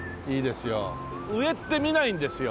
上って見ないんですよ。